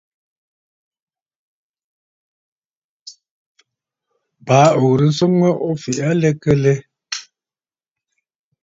Baa ò ghɨ̀rə nswoŋ mə o fɛ̀ʼ̀ɛ̀ aa a lɛ kə lɛ?